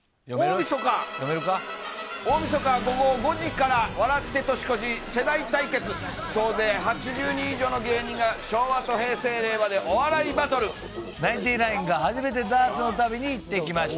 大みそか午後５時から、笑って年越し、世代対決、総勢８０人以上の芸人が、昭和と平成、ナインティナインが、初めてダーツの旅に行ってきました。